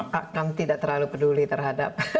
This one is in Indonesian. kang tidak terlalu peduli terhadap